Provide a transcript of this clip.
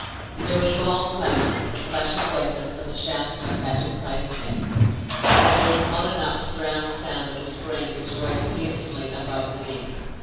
There was wild clamor, the clash of weapons and the shouting of battle crazed men but there was not enough to drown the sound of a scream which rose piercingly above the din.